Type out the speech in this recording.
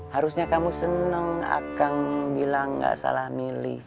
harusnya kamu seneng akang bilang gak salah milih